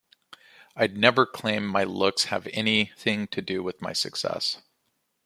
I'd never claim my looks have anything to do with my success.